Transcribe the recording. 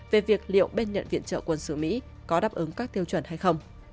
về việc liệu bên nhận viện trợ quân sự mỹ có đáp ứng các tiêu chuẩn hay không